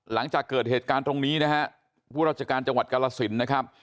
หลังจากเกิดเหตุการณ์ตรงนี้นะฮะผู้ราชการจังหวัดกรสินนะครับ